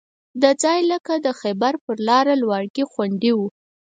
دا ځای لکه د خیبر پر لاره لواړګي غوندې وو.